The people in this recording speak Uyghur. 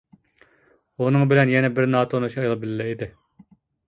ئۇنىڭ بىلەن يەنە بىر ناتونۇش ئايال بىللە ئىدى.